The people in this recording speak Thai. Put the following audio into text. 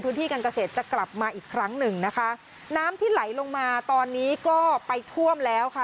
การเกษตรจะกลับมาอีกครั้งหนึ่งนะคะน้ำที่ไหลลงมาตอนนี้ก็ไปท่วมแล้วค่ะ